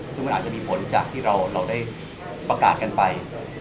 ซึ่งมันอาจจะมีผลจากที่เราได้ประกาศกันไป